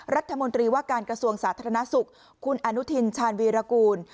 รัฐมนตรีว่าการกระทรวงสาธารณสุขคุณอนุทินชาญวีรกูล